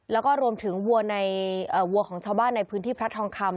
แล้วก็รวมถึงวัวในวัวของชาวบ้านในพื้นที่พระทองคำ